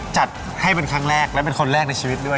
จัดให้เป็นครั้งแรกและเป็นคนแรกในชีวิตด้วย